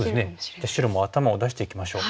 じゃあ白も頭を出していきましょう。